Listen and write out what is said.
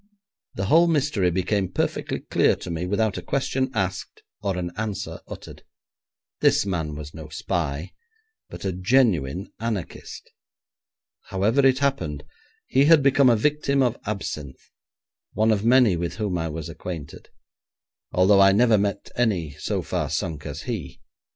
The whole mystery became perfectly clear to me without a question asked or an answer uttered. This man was no spy, but a genuine anarchist. However it happened, he had become a victim of absinthe, one of many with whom I was acquainted, although I never met any so far sunk as he.